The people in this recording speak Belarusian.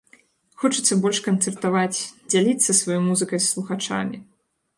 Хочацца больш канцэртаваць, дзяліцца сваёй музыкай з слухачамі.